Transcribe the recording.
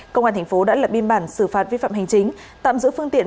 công an tp đã lập biên bản xử phạt vi phạm hành chính tạm giữ phương tiện